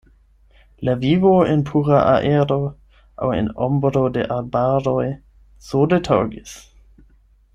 La vivo en pura aero aŭ en ombro de arbaroj sole taŭgis.